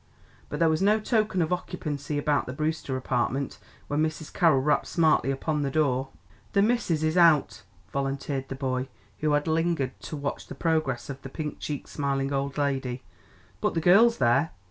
But there was no token of occupancy about the Brewster apartment when Mrs. Carroll rapped smartly upon the door. "The missis is out," volunteered the boy, who had lingered to watch the progress of the pink cheeked, smiling old lady; "but the girl's there.